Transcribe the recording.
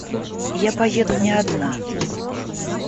Я поеду не одна.